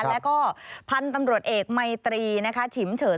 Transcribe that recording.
แล้วก็พันธุ์ตำรวจเอกมัยตรีนะคะฉิมเฉิน